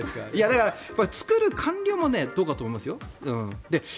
だから、作る官僚もどうかと思いますよ。